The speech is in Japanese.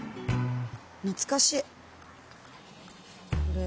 懐かしい。